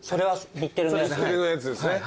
日テレのやつですね。